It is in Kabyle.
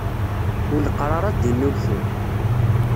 Uleqṛaṛ ad d-innulfu.